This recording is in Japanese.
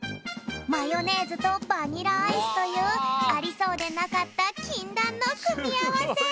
マヨネーズとバニラアイスというありそうでなかったきんだんのくみあわせ！